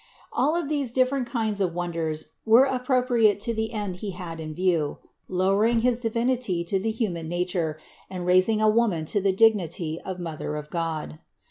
All of these dif ferent kinds of wonders were appropriate to the end He had in view : lowering his Divinity to the human nature and raising a woman to the dignity of Mother of God.